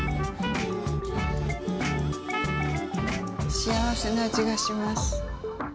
幸せなあじがします。